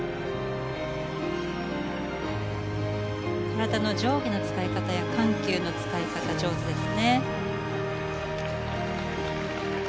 体の上下の使い方や緩急の使い方上手です。